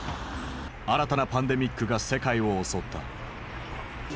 新たなパンデミックが世界を襲った。